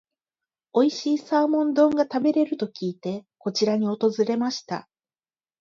おいしいサーモン丼が食べれると聞いて、こちらに訪れました。